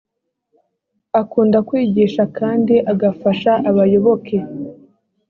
akunda kwigisha kandi agafasha abayoboke.